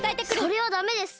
それはダメです！